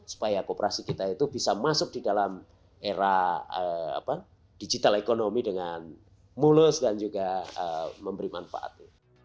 supaya kooperasi kita itu bisa masuk di dalam era digital ekonomi dengan mulus dan juga memberi manfaat